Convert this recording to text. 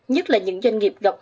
nhất là những doanh nghiệp khó khăn